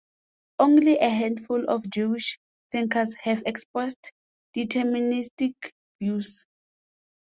Only a handful of Jewish thinkers have expressed deterministic views.